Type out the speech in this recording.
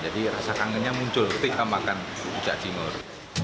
jadi rasa kangennya muncul ketika makan rujak cingur